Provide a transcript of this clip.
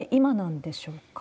なぜ今なんでしょうか？